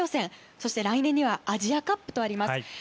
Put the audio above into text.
そして来年にはアジアカップとあります。